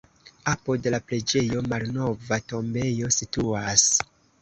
Apud la preĝejo malnova tombejo situas.